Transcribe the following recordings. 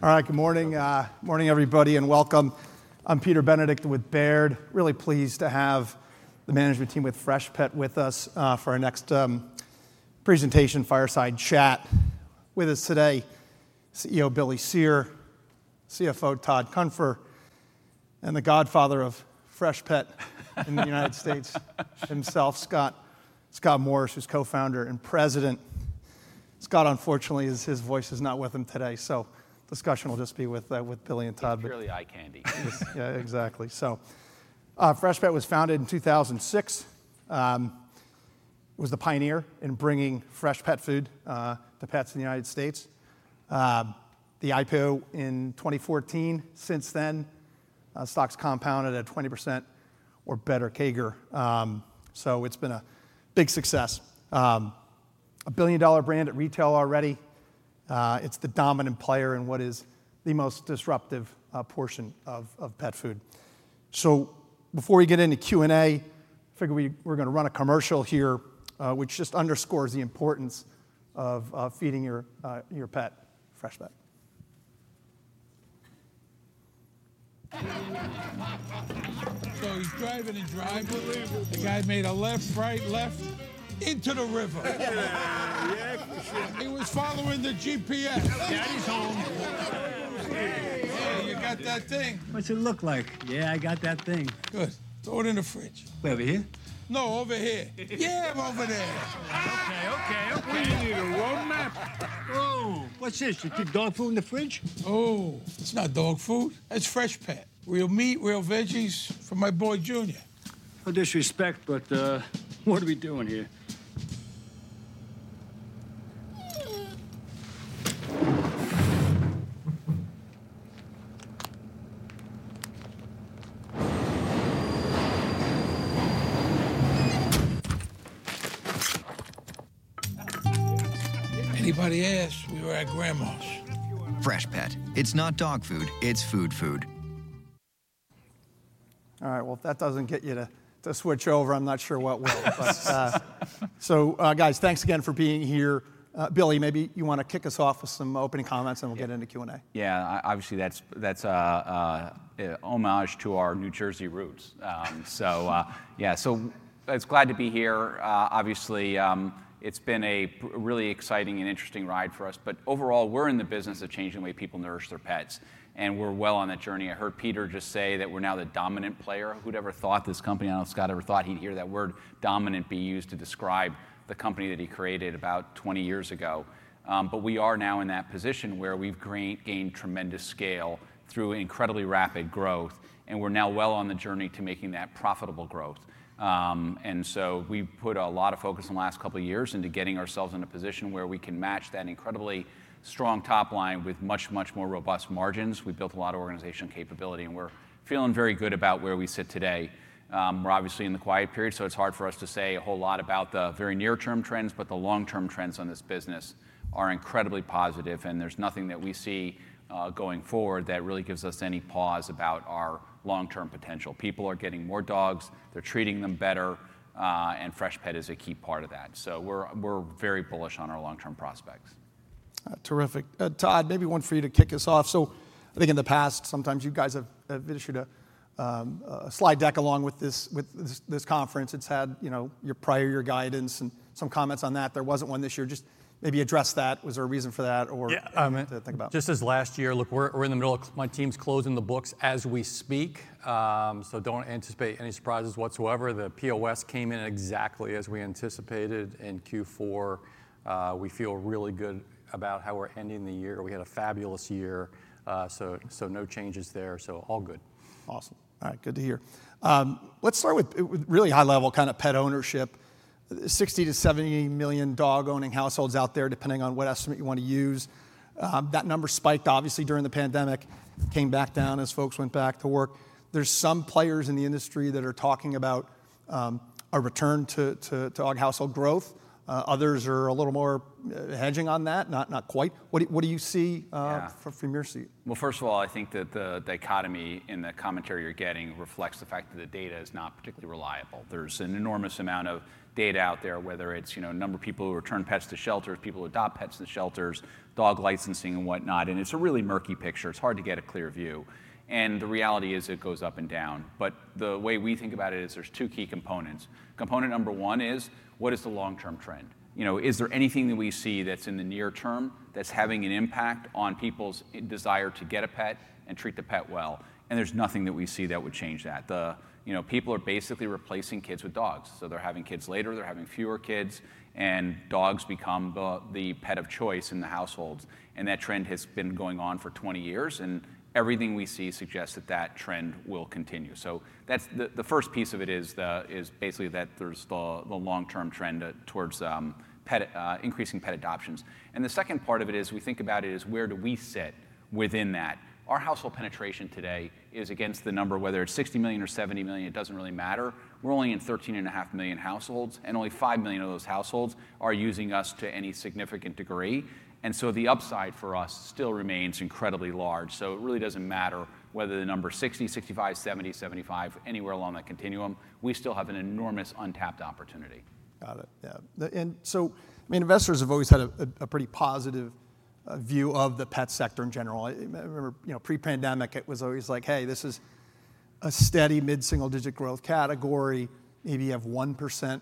All right, good morning. Morning, everybody, and welcome. I'm Peter Benedict with Baird. Really pleased to have the management team with Freshpet with us for our next presentation, Fireside Chat, with us today. CEO Billy Cyr, CFO Todd Cunfer, and the godfather of Freshpet in the United States himself, Scott Morris, who's co-founder and president. Scott, unfortunately, his voice is not with him today, so the discussion will just be with Billy and Todd. It's purely eye candy. Yeah, exactly. So Freshpet was founded in 2006, was the pioneer in bringing Freshpet food to pets in the United States. The IPO in 2014. Since then, stocks compounded at 20% or better CAGR. So it's been a big success. A billion-dollar brand at retail already. It's the dominant player in what is the most disruptive portion of pet food. So before we get into Q&A, I figure we're going to run a commercial here, which just underscores the importance of feeding your pet Freshpet. He's driving and driving. The guy made a left, right, left into the river. Yeah. Yeah. He was following the GPS. Daddy's home. Yeah, you got that thing. What's it look like? Yeah, I got that thing. Good. Throw it in the fridge. Wait, over here? No, over here. Yeah, I'm over there. OK, OK, OK. We need a roadmap. Oh. What's this? You keep dog food in the fridge? Oh. It's not dog food. That's Freshpet. Real meat, real veggies for my boy, Junior. No disrespect, but what are we doing here? Anybody asked, we were at Grandma's. Freshpet, it's not dog food, it's food food. All right, well, if that doesn't get you to switch over, I'm not sure what will. So, guys, thanks again for being here. Billy, maybe you want to kick us off with some opening comments, and we'll get into Q&A. Yeah, obviously, that's an homage to our New Jersey roots, so yeah, so I'm glad to be here. Obviously, it's been a really exciting and interesting ride for us, but overall, we're in the business of changing the way people nourish their pets, and we're well on that journey. I heard Peter just say that we're now the dominant player. Who'd ever thought this company? I don't know if Scott ever thought he'd hear that word "dominant" be used to describe the company that he created about 20 years ago, but we are now in that position where we've gained tremendous scale through incredibly rapid growth, and we're now well on the journey to making that profitable growth. And so we've put a lot of focus in the last couple of years into getting ourselves in a position where we can match that incredibly strong top line with much, much more robust margins. We built a lot of organizational capability. And we're feeling very good about where we sit today. We're obviously in the quiet period, so it's hard for us to say a whole lot about the very near-term trends. But the long-term trends on this business are incredibly positive. And there's nothing that we see going forward that really gives us any pause about our long-term potential. People are getting more dogs. They're treating them better. And Freshpet is a key part of that. So we're very bullish on our long-term prospects. Terrific. Todd, maybe one for you to kick us off. So I think in the past, sometimes you guys have issued a slide deck along with this conference. It's had your prior, your guidance, and some comments on that. There wasn't one this year. Just maybe address that. Was there a reason for that or something to think about? Yeah, just as last year. Look, we're in the middle of my team's closing the books as we speak. So don't anticipate any surprises whatsoever. The POS came in exactly as we anticipated in Q4. We feel really good about how we're ending the year. We had a fabulous year. So no changes there. So all good. Awesome. All right, good to hear. Let's start with really high-level kind of pet ownership. 60-70 million dog-owning households out there, depending on what estimate you want to use. That number spiked, obviously, during the pandemic, came back down as folks went back to work. There's some players in the industry that are talking about a return to dog household growth. Others are a little more hedging on that, not quite. What do you see from your seat? First of all, I think that the dichotomy in the commentary you're getting reflects the fact that the data is not particularly reliable. There's an enormous amount of data out there, whether it's number of people who return pets to shelters, people who adopt pets in the shelters, dog licensing, and whatnot. And it's a really murky picture. It's hard to get a clear view. And the reality is it goes up and down. But the way we think about it is there's two key components. Component number one is, what is the long-term trend? Is there anything that we see that's in the near term that's having an impact on people's desire to get a pet and treat the pet well? And there's nothing that we see that would change that. People are basically replacing kids with dogs. So they're having kids later. They're having fewer kids. Dogs become the pet of choice in the households. That trend has been going on for 20 years. Everything we see suggests that that trend will continue. The first piece of it is basically that there's the long-term trend towards increasing pet adoptions. The second part of it is we think about it as where do we sit within that. Our household penetration today is against the number, whether it's 60 million or 70 million; it doesn't really matter. We're only in 13.5 million households. Only five million of those households are using us to any significant degree. The upside for us still remains incredibly large. It really doesn't matter whether the number is 60, 65, 70, 75, anywhere along that continuum. We still have an enormous untapped opportunity. Got it. Yeah. And so, I mean, investors have always had a pretty positive view of the pet sector in general. I remember pre-pandemic, it was always like, hey, this is a steady mid-single-digit growth category. Maybe you have 1%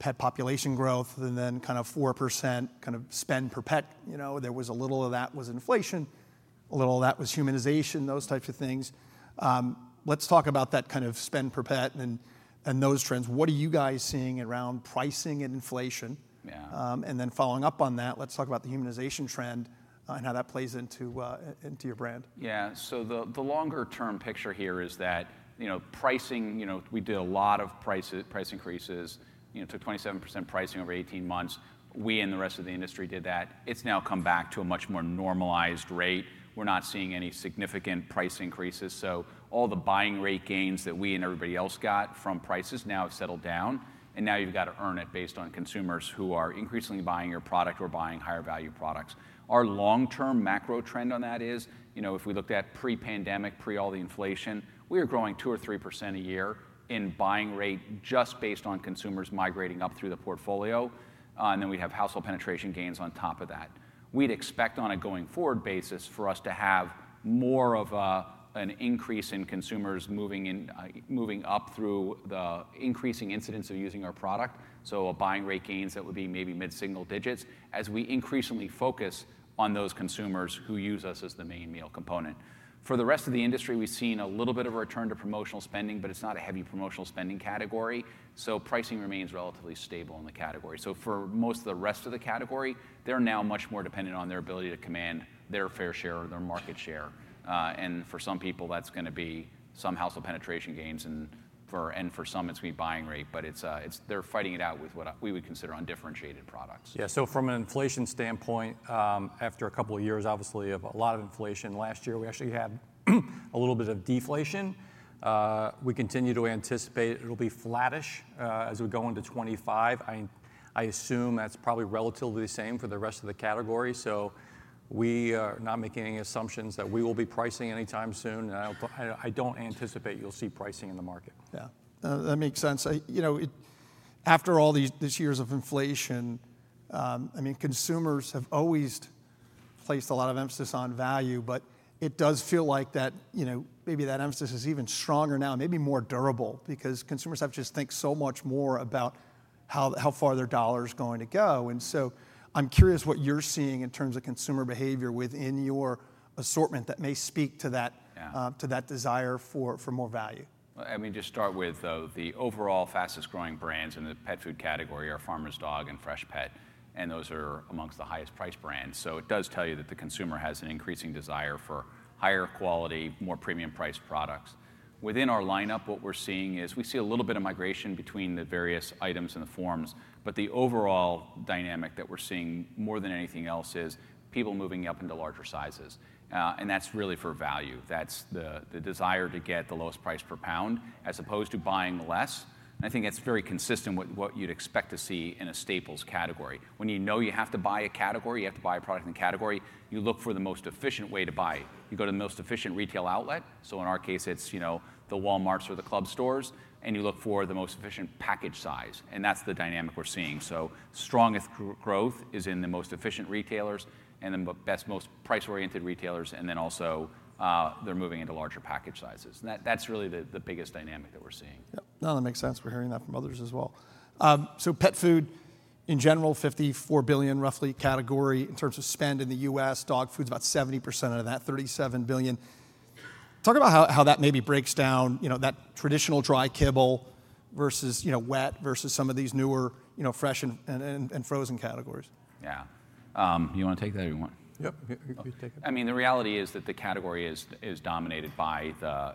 pet population growth and then kind of 4% kind of spend per pet. There was a little of that was inflation. A little of that was humanization, those types of things. Let's talk about that kind of spend per pet and those trends. What are you guys seeing around pricing and inflation? And then following up on that, let's talk about the humanization trend and how that plays into your brand. Yeah, so the longer-term picture here is that pricing, we did a lot of price increases. Took 27% pricing over 18 months. We and the rest of the industry did that. It's now come back to a much more normalized rate. We're not seeing any significant price increases. So all the buying rate gains that we and everybody else got from prices now have settled down. And now you've got to earn it based on consumers who are increasingly buying your product or buying higher value products. Our long-term macro trend on that is, if we looked at pre-pandemic, pre all the inflation, we were growing 2% or 3% a year in buying rate just based on consumers migrating up through the portfolio. And then we'd have household penetration gains on top of that. We'd expect on a going-forward basis for us to have more of an increase in consumers moving up through the increasing incidence of using our product, so buying rate gains that would be maybe mid-single digits as we increasingly focus on those consumers who use us as the main meal component. For the rest of the industry, we've seen a little bit of a return to promotional spending, but it's not a heavy promotional spending category, so pricing remains relatively stable in the category, so for most of the rest of the category, they're now much more dependent on their ability to command their fair share or their market share, and for some people, that's going to be some household penetration gains, and for some, it's going to be buying rate, but they're fighting it out with what we would consider undifferentiated products. Yeah, so from an inflation standpoint, after a couple of years, obviously, of a lot of inflation, last year we actually had a little bit of deflation. We continue to anticipate it'll be flattish as we go into 2025. I assume that's probably relatively the same for the rest of the category, so we are not making any assumptions that we will be pricing anytime soon, and I don't anticipate you'll see pricing in the market. Yeah. That makes sense. After all these years of inflation, I mean, consumers have always placed a lot of emphasis on value, but it does feel like maybe that emphasis is even stronger now, maybe more durable, because consumers have to just think so much more about how far their dollar is going to go. I'm curious what you're seeing in terms of consumer behavior within your assortment that may speak to that desire for more value. I mean, just start with the overall fastest-growing brands in the pet food category are The Farmer's Dog and Freshpet, and those are among the highest-priced brands, so it does tell you that the consumer has an increasing desire for higher quality, more premium-priced products. Within our lineup, what we're seeing is we see a little bit of migration between the various items and the forms, but the overall dynamic that we're seeing more than anything else is people moving up into larger sizes, and that's really for value. That's the desire to get the lowest price per pound as opposed to buying less, and I think that's very consistent with what you'd expect to see in a staples category. When you know you have to buy a category, you have to buy a product in the category, you look for the most efficient way to buy it. You go to the most efficient retail outlet. So in our case, it's the Walmarts or the club stores. And you look for the most efficient package size. And that's the dynamic we're seeing. So strongest growth is in the most efficient retailers and the best, most price-oriented retailers. And then also they're moving into larger package sizes. And that's really the biggest dynamic that we're seeing. Yep. No, that makes sense. We're hearing that from others as well. So pet food in general, $54 billion roughly category in terms of spend in the U.S. Dog food's about 70% of that, $37 billion. Talk about how that maybe breaks down that traditional dry kibble versus wet versus some of these newer fresh and frozen categories. Yeah. You want to take that or you want? Yep. You take it. I mean, the reality is that the category is dominated by the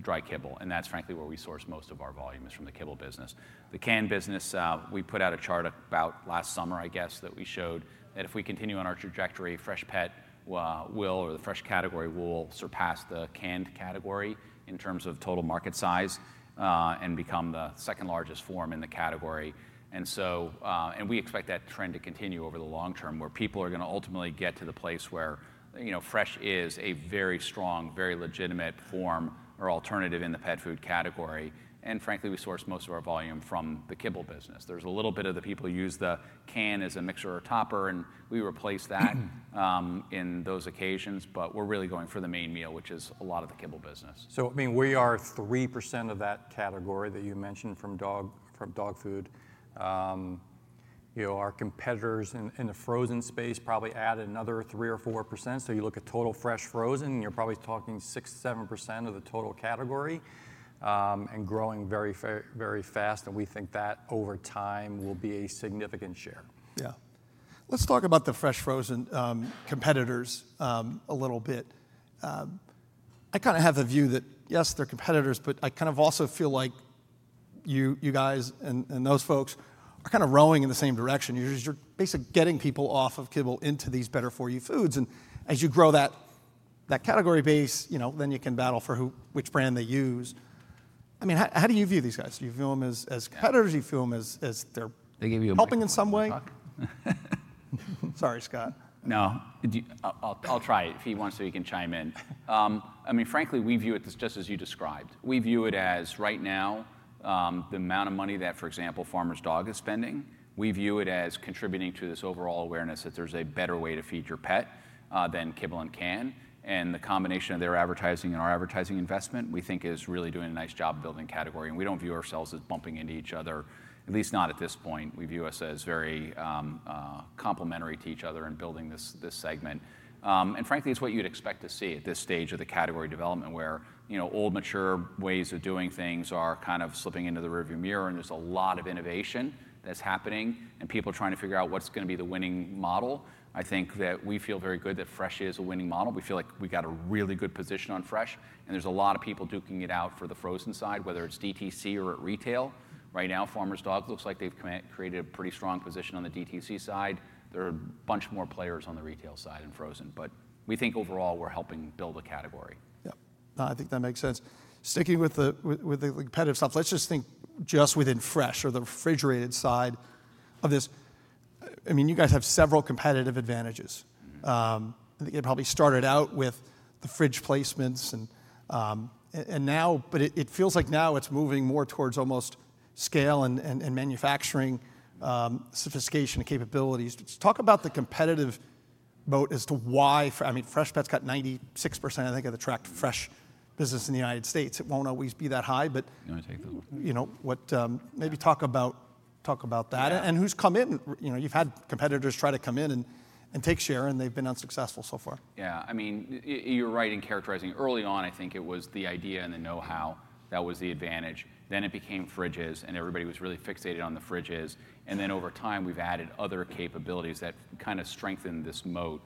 dry kibble, and that's, frankly, where we source most of our volume is from the kibble business. The canned business, we put out a chart about last summer, I guess, that we showed that if we continue on our trajectory, Freshpet will, or the fresh category will surpass the canned category in terms of total market size and become the second largest form in the category. We expect that trend to continue over the long term where people are going to ultimately get to the place where fresh is a very strong, very legitimate form or alternative in the pet food category. Frankly, we source most of our volume from the kibble business. There's a little bit of the people who use the can as a mixer or topper, and we replace that in those occasions. but we're really going for the main meal, which is a lot of the kibble business. I mean, we are 3% of that category that you mentioned from dog food. Our competitors in the frozen space probably add another 3% or 4%. So you look at total fresh frozen, you're probably talking 6%-7% of the total category and growing very, very fast. And we think that over time will be a significant share. Yeah. Let's talk about the fresh frozen competitors a little bit. I kind of have the view that, yes, they're competitors. But I kind of also feel like you guys and those folks are kind of rowing in the same direction. You're basically getting people off of kibble into these better-for-you foods. And as you grow that category base, then you can battle for which brand they use. I mean, how do you view these guys? Do you view them as competitors? Do you view them as they're helping in some way? Sorry, Scott. No. I'll try it if he wants to, he can chime in. I mean, frankly, we view it just as you described. We view it as right now, the amount of money that, for example, The Farmer's Dog is spending, we view it as contributing to this overall awareness that there's a better way to feed your pet than kibble and can. And the combination of their advertising and our advertising investment, we think, is really doing a nice job building category. And we don't view ourselves as bumping into each other, at least not at this point. We view us as very complementary to each other in building this segment. And frankly, it's what you'd expect to see at this stage of the category development where old, mature ways of doing things are kind of slipping into the rearview mirror. And there's a lot of innovation that's happening and people trying to figure out what's going to be the winning model. I think that we feel very good that fresh is a winning model. We feel like we've got a really good position on fresh. And there's a lot of people duking it out for the frozen side, whether it's DTC or at retail. Right now, Farmer's Dog looks like they've created a pretty strong position on the DTC side. There are a bunch more players on the retail side in frozen. But we think overall we're helping build a category. Yeah. No, I think that makes sense. Sticking with the competitive stuff, let's just think just within fresh or the refrigerated side of this. I mean, you guys have several competitive advantages. I think it probably started out with the fridge placements. But it feels like now it's moving more towards almost scale and manufacturing sophistication and capabilities. Talk about the competitive moat as to why. I mean, Freshpet's got 96%, I think, of the tracked fresh business in the United States. It won't always be that high. You want to take that one. Maybe talk about that and who's come in. You've had competitors try to come in and take share. And they've been unsuccessful so far. Yeah. I mean, you're right in characterizing. Early on, I think it was the idea and the know-how that was the advantage. Then it became fridges. And everybody was really fixated on the fridges. And then over time, we've added other capabilities that kind of strengthen this moat.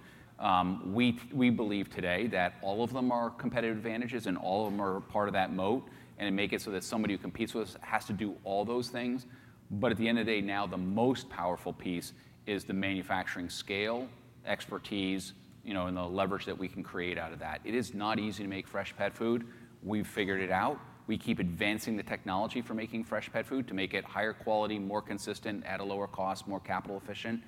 We believe today that all of them are competitive advantages. And all of them are part of that moat. And it makes it so that somebody who competes with us has to do all those things. But at the end of the day, now the most powerful piece is the manufacturing scale, expertise, and the leverage that we can create out of that. It is not easy to make fresh pet food. We've figured it out. We keep advancing the technology for making fresh pet food to make it higher quality, more consistent, at a lower cost, more capital efficient.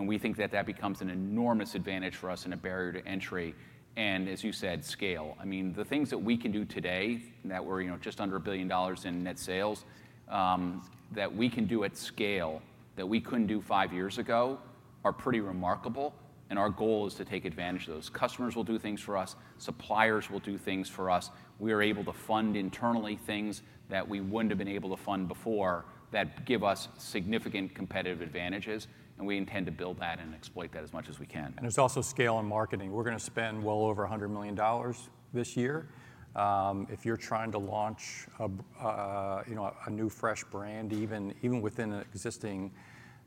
We think that that becomes an enormous advantage for us and a barrier to entry. As you said, scale. I mean, the things that we can do today that we're just under $1 billion in net sales that we can do at scale that we couldn't do five years ago are pretty remarkable. Our goal is to take advantage of those. Customers will do things for us. Suppliers will do things for us. We are able to fund internally things that we wouldn't have been able to fund before that give us significant competitive advantages. We intend to build that and exploit that as much as we can. There's also scale in marketing. We're going to spend well over $100 million this year. If you're trying to launch a new fresh brand, even within an existing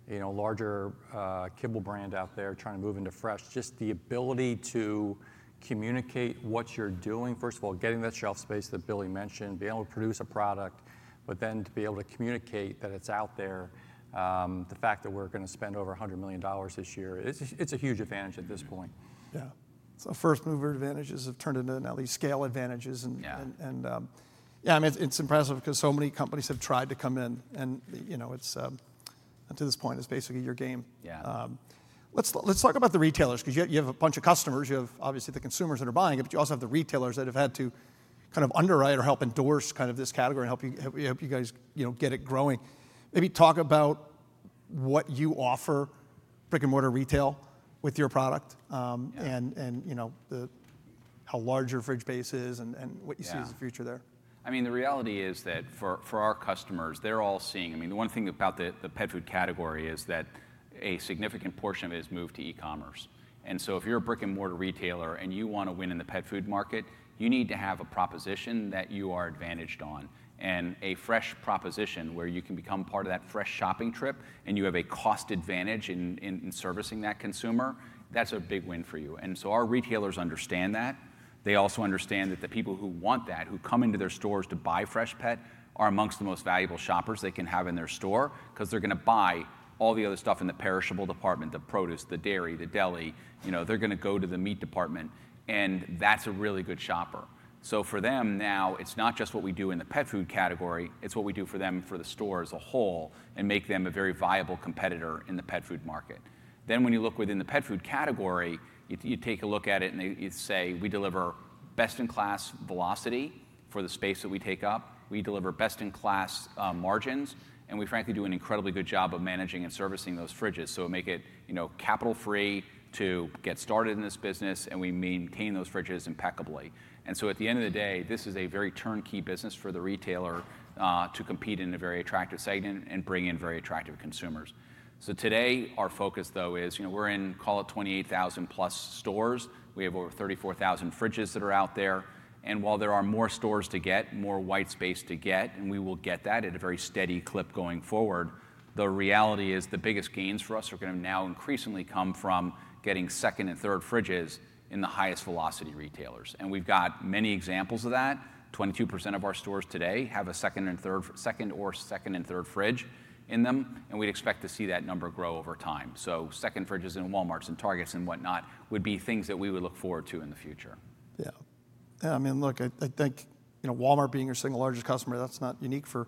larger kibble brand out there trying to move into fresh, just the ability to communicate what you're doing, first of all, getting that shelf space that Billy mentioned, being able to produce a product, but then to be able to communicate that it's out there, the fact that we're going to spend over $100 million this year, it's a huge advantage at this point. Yeah. First mover advantages have turned into now these scale advantages. Yeah, I mean, it's impressive because so many companies have tried to come in. To this point, it's basically your game. Let's talk about the retailers because you have a bunch of customers. You have, obviously, the consumers that are buying it. But you also have the retailers that have had to kind of underwrite or help endorse kind of this category and help you guys get it growing. Maybe talk about what you offer, brick and mortar retail, with your product and how large your fridge base is and what you see as the future there. I mean, the reality is that for our customers, they're all seeing. I mean, the one thing about the pet food category is that a significant portion of it has moved to e-commerce. And so if you're a brick and mortar retailer and you want to win in the pet food market, you need to have a proposition that you are advantaged on. And a fresh proposition where you can become part of that fresh shopping trip and you have a cost advantage in servicing that consumer, that's a big win for you. And so our retailers understand that. They also understand that the people who want that, who come into their stores to buy fresh pet, are among the most valuable shoppers they can have in their store because they're going to buy all the other stuff in the perishable department, the produce, the dairy, the deli. They're going to go to the meat department, and that's a really good shopper, so for them now, it's not just what we do in the pet food category. It's what we do for them and for the store as a whole and make them a very viable competitor in the pet food market, then when you look within the pet food category, you take a look at it and you say, we deliver best-in-class velocity for the space that we take up. We deliver best-in-class margins, and we, frankly, do an incredibly good job of managing and servicing those fridges so it makes it capital-free to get started in this business, and we maintain those fridges impeccably, and so at the end of the day, this is a very turnkey business for the retailer to compete in a very attractive segment and bring in very attractive consumers. So today, our focus, though, is we're in, call it, 28,000-plus stores. We have over 34,000 fridges that are out there. And while there are more stores to get, more white space to get, and we will get that at a very steady clip going forward, the reality is the biggest gains for us are going to now increasingly come from getting second and third fridges in the highest velocity retailers. And we've got many examples of that. 22% of our stores today have a second or second and third fridge in them. And we'd expect to see that number grow over time. So second fridges in Walmarts and Targets and whatnot would be things that we would look forward to in the future. Yeah. Yeah. I mean, look, I think Walmart being your single largest customer, that's not unique for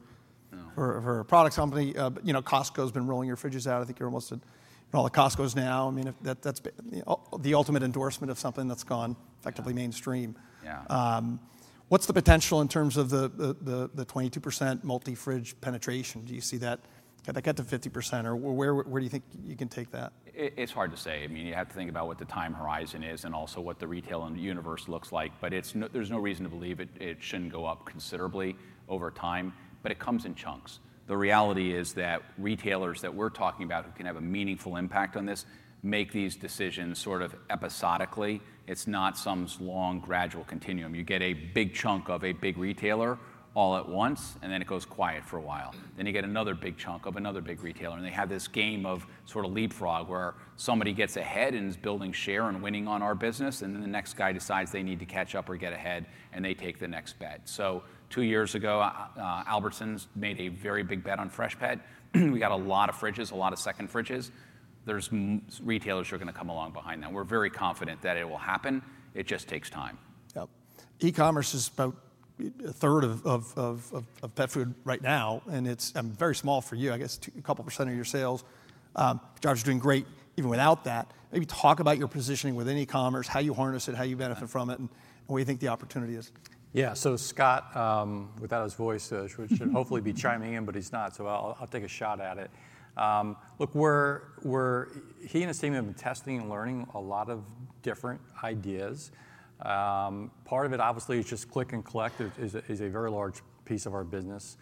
a product company. Costco's been rolling your fridges out. I think you're almost at all the Costcos now. I mean, that's the ultimate endorsement of something that's gone effectively mainstream. What's the potential in terms of the 22% multi-fridge penetration? Do you see that? Can that get to 50%? Or where do you think you can take that? It's hard to say. I mean, you have to think about what the time horizon is and also what the retail universe looks like. But there's no reason to believe it shouldn't go up considerably over time. But it comes in chunks. The reality is that retailers that we're talking about who can have a meaningful impact on this make these decisions sort of episodically. It's not some long gradual continuum. You get a big chunk of a big retailer all at once. And then it goes quiet for a while. Then you get another big chunk of another big retailer. And they have this game of sort of leapfrog where somebody gets ahead and is building share and winning on our business. And then the next guy decides they need to catch up or get ahead. And they take the next bet. So two years ago, Albertsons made a very big bet on Freshpet. We got a lot of fridges, a lot of second fridges. There's retailers who are going to come along behind that. We're very confident that it will happen. It just takes time. Yep. E-commerce is about a third of pet food right now. And it's very small for you, I guess, a couple% of your sales. But y'all are doing great even without that. Maybe talk about your positioning within e-commerce, how you harness it, how you benefit from it, and where you think the opportunity is. Yeah. So Scott, without his voice, should hopefully be chiming in. But he's not. So I'll take a shot at it. Look, he and his team have been testing and learning a lot of different ideas. Part of it, obviously, is just click and collect is a very large piece of our business.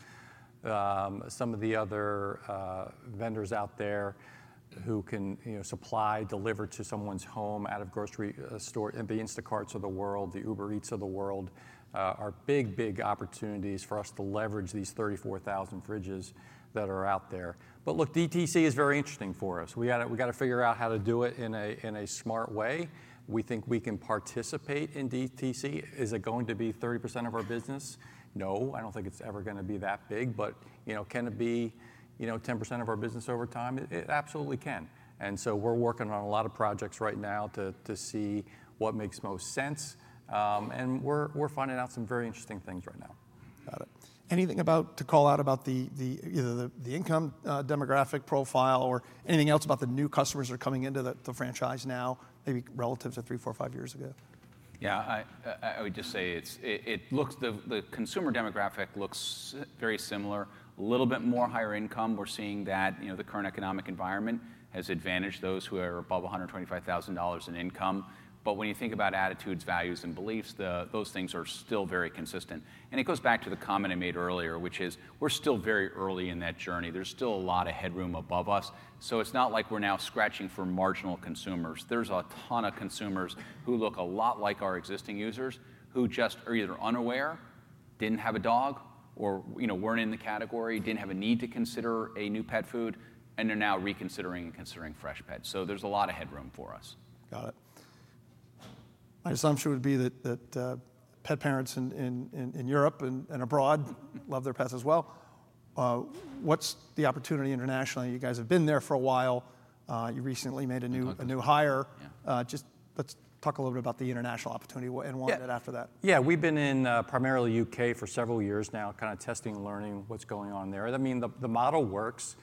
Some of the other vendors out there who can supply, deliver to someone's home out of grocery store and the Instacarts of the world, the Uber Eats of the world are big, big opportunities for us to leverage these 34,000 fridges that are out there. But look, DTC is very interesting for us. We got to figure out how to do it in a smart way. We think we can participate in DTC. Is it going to be 30% of our business? No. I don't think it's ever going to be that big. But can it be 10% of our business over time? It absolutely can. And so we're working on a lot of projects right now to see what makes most sense. And we're finding out some very interesting things right now. Got it. Anything to call out about either the income demographic profile or anything else about the new customers that are coming into the franchise now, maybe relative to three, four, five years ago? Yeah. I would just say the consumer demographic looks very similar, a little bit more higher income. We're seeing that the current economic environment has advantaged those who are above $125,000 in income. But when you think about attitudes, values, and beliefs, those things are still very consistent. And it goes back to the comment I made earlier, which is we're still very early in that journey. There's still a lot of headroom above us. So it's not like we're now scratching for marginal consumers. There's a ton of consumers who look a lot like our existing users who just are either unaware, didn't have a dog, or weren't in the category, didn't have a need to consider a new pet food, and are now reconsidering and considering Freshpet. So there's a lot of headroom for us. Got it. My assumption would be that pet parents in Europe and abroad love their pets as well. What's the opportunity internationally? You guys have been there for a while. You recently made a new hire. Just let's talk a little bit about the international opportunity and why that after that. Yeah. We've been in primarily the UK for several years now, kind of testing and learning what's going on there. I mean, the model works.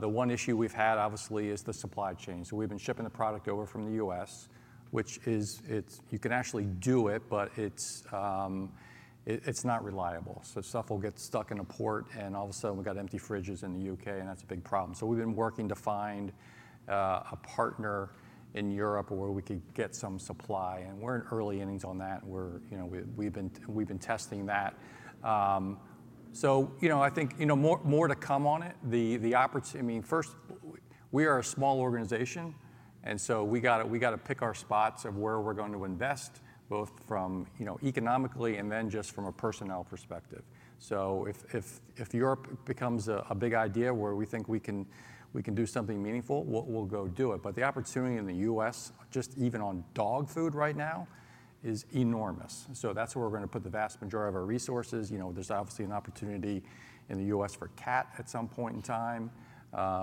The one issue we've had, obviously, is the supply chain. So we've been shipping the product over from the US, which you can actually do it. But it's not reliable. So stuff will get stuck in a port. And all of a sudden, we've got empty fridges in the UK. And that's a big problem. So we've been working to find a partner in Europe where we could get some supply. And we're in early innings on that. We've been testing that. So I think more to come on it. I mean, first, we are a small organization. And so we got to pick our spots of where we're going to invest, both from economically and then just from a personnel perspective. So if Europe becomes a big idea where we think we can do something meaningful, we'll go do it. But the opportunity in the US, just even on dog food right now, is enormous. So that's where we're going to put the vast majority of our resources. There's obviously an opportunity in the US for cat at some point in time.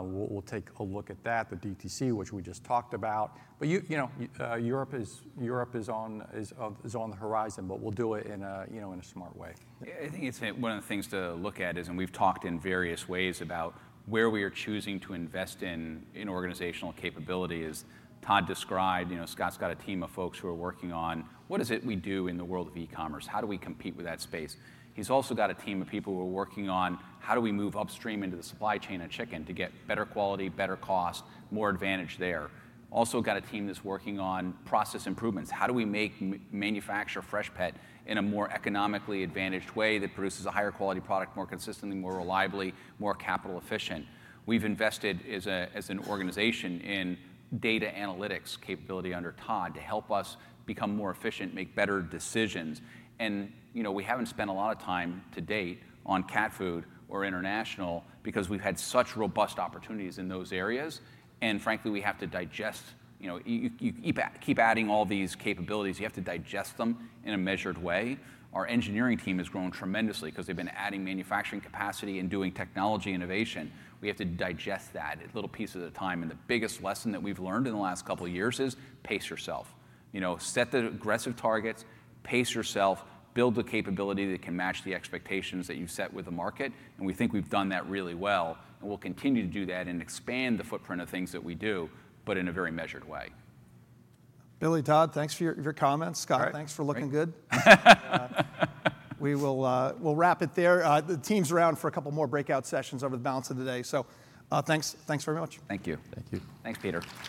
We'll take a look at that, the DTC, which we just talked about. But Europe is on the horizon. But we'll do it in a smart way. I think one of the things to look at is, and we've talked in various ways about where we are choosing to invest in organizational capability as Todd described. Scott's got a team of folks who are working on what is it we do in the world of e-commerce? How do we compete with that space? He's also got a team of people who are working on how do we move upstream into the supply chain of chicken to get better quality, better cost, more advantage there. Also got a team that's working on process improvements. How do we manufacture Freshpet in a more economically advantaged way that produces a higher quality product more consistently, more reliably, more capital efficient? We've invested as an organization in data analytics capability under Todd to help us become more efficient, make better decisions, and we haven't spent a lot of time to date on cat food or international because we've had such robust opportunities in those areas, and frankly, we have to digest. You keep adding all these capabilities. You have to digest them in a measured way. Our engineering team has grown tremendously because they've been adding manufacturing capacity and doing technology innovation. We have to digest that little piece at a time, and the biggest lesson that we've learned in the last couple of years is pace yourself. Set the aggressive targets, pace yourself, build the capability that can match the expectations that you've set with the market, and we think we've done that really well, and we'll continue to do that and expand the footprint of things that we do, but in a very measured way. Billy, Todd, thanks for your comments. Scott, thanks for looking good. We will wrap it there. The team's around for a couple more breakout sessions over the balance of the day. So thanks very much. Thank you. Thank you. Thanks, Peter.